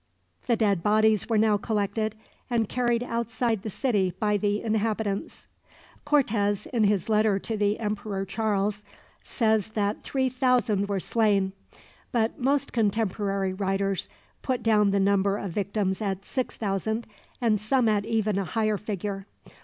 The dead bodies were now collected, and carried outside the city by the inhabitants. Cortez, in his letter to the Emperor Charles, says that three thousand were slain; but most contemporary writers put down the number of victims at six thousand, and some at even a higher figure.